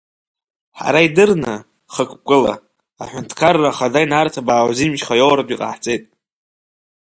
Ҳара идырны, хықәкыла, Аҳәынҭқарра Ахада инарҭбаау азинмчы иоуртә иҟаҳҵеит.